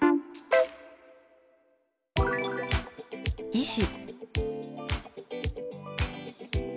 「医師」。